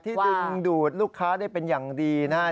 ดึงดูดลูกค้าได้เป็นอย่างดีนะครับ